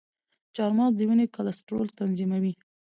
چارمغز د وینې کلسترول تنظیموي.